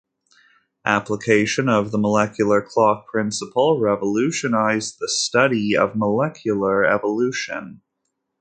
Application of the molecular clock principle revolutionized the study of molecular evolution.